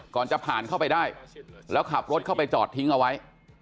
ก่อนจะผ่านเข้าไปได้แล้วขับรถเข้าไปจอดทิ้งเอาไว้